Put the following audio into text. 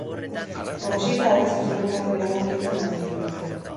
Nagusiki haurrei zuzendutako iragarkietan agertzen da.